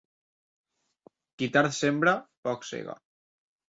Qui tard sembra poc sega.